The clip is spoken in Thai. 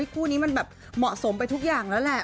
คู่นี้มันแบบเหมาะสมไปทุกอย่างแล้วแหละ